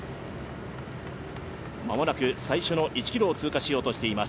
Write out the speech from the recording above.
間もなく最初の１ｋｍを通過しようとしています。